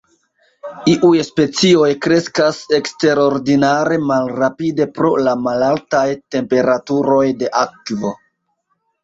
Iuj specioj kreskas eksterordinare malrapide pro la malaltaj temperaturoj de akvo.